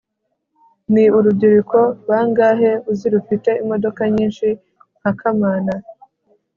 ni urubyiruko bangahe uzi rufite imodoka nyinshi nka kamana